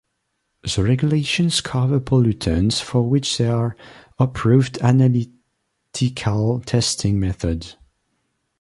The regulations cover pollutants for which there are approved analytical testing methods.